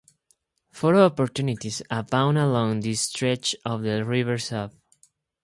Photo opportunities abound along this stretch of the River Sub.